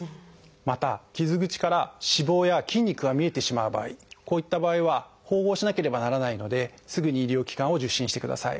また傷口から脂肪や筋肉が見えてしまう場合こういった場合は縫合しなければならないのですぐに医療機関を受診してください。